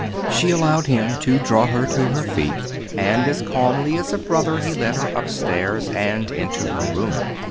She allowed him to draw her to her feet; and as calmly as a brother he led her upstairs and into her room.